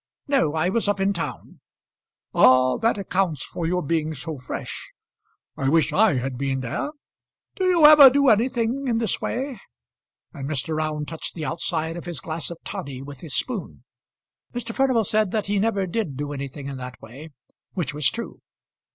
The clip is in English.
"No; I was up in town." "Ah! that accounts for your being so fresh. I wish I had been there. Do you ever do anything in this way?" and Mr. Round touched the outside of his glass of toddy with his spoon. Mr. Furnival said that he never did do anything in that way, which was true.